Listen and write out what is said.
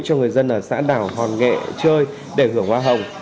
cho người dân ở xã đảo hòn nghệ chơi để hưởng hoa hồng